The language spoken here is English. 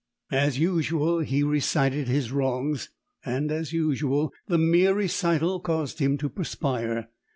As usual, he recited his wrongs; and, as usual, the mere recital caused him to perspire.